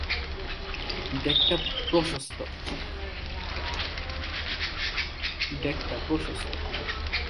ডেকটা প্রশস্ত।